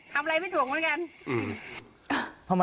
ทำอะไรไม่ถูกเหมือนกัน